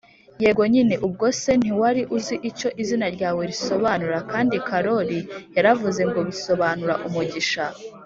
Yego nyine Ubwo se ntiwari uzi icyo izina ryawe risobanura, kandi karoli yaravuze ngo bisobanura umugisha